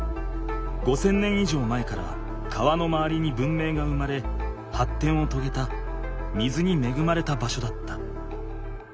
５，０００年以上前から川のまわりに文明が生まれはってんをとげた水にめぐまれた場所だった。